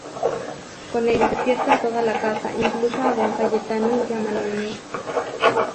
Con ello despierta a toda la casa, incluso a Don Cayetano y a Manolín.